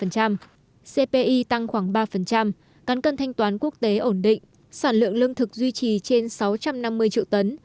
cpi tăng khoảng ba cán cân thanh toán quốc tế ổn định sản lượng lương thực duy trì trên sáu trăm năm mươi triệu tấn